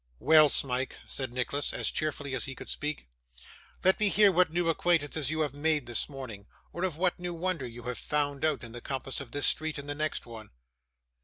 'Well, Smike,' said Nicholas, as cheerfully as he could speak, 'let me hear what new acquaintances you have made this morning, or what new wonder you have found out, in the compass of this street and the next one.